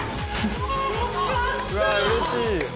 うわうれしい。